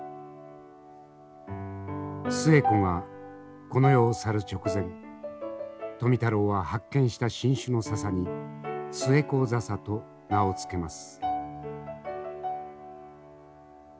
寿衛子がこの世を去る直前富太郎は発見した新種の笹にスエコザサと名を付けます。